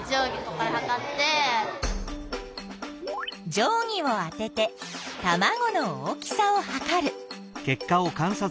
定規をあててたまごの大きさをはかる。